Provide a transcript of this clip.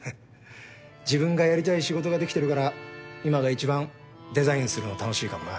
自分がやりたい仕事ができてるから今が一番デザインするの楽しいかもな。